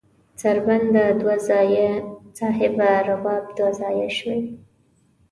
سرینده دوه ځایه صاحبه رباب دوه ځایه شو.